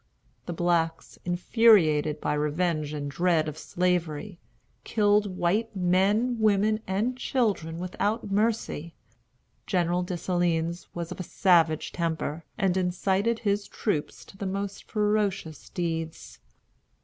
The blacks, infuriated by revenge and dread of Slavery, killed white men, women, and children without mercy. General Dessalines was of a savage temper, and incited his troops to the most ferocious deeds.